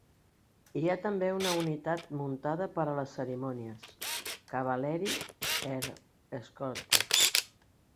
Hi ha també una unitat muntada per a les cerimònies: Cavalerie Ere-Escorte.